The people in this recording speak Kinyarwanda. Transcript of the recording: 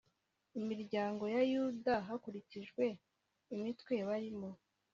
umuryango wa Yuda hakurikijwe imitwe barimo